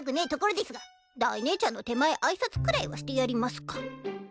いところですがダイねえちゃんの手前挨拶くらいはしてやりますか。